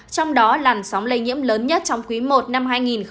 trong đó làn sóng lây nhiễm lớn nhất trong quý i năm hai nghìn hai mươi